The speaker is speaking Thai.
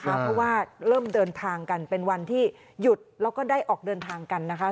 เพราะว่าเริ่มเดินทางกันเป็นวันที่หยุดแล้วก็ได้ออกเดินทางกันนะคะ